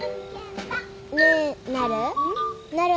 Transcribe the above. ねえなる。